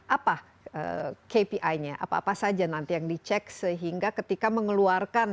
apa kpi nya apa apa saja nanti yang dicek sehingga ketika mengeluarkan